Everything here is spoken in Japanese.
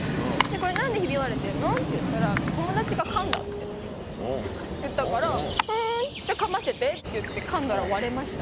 「これ何でヒビ割れてんの？」って言ったら「友達がかんだ」って言ったから「ふんじゃあかませて」って言ってかんだら割れました。